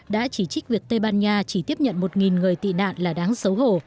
đã chỉ trích việc tây ban nha chỉ tiếp nhận một người tị nạn là đáng xấu hổ